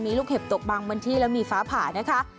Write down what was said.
มีลูกเห็บตกบางพื้นที่แล้วมีฟ้าผ่านะคะ